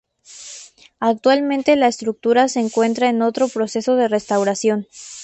Actualmente la estructura se encuentra en otro proceso de restauración.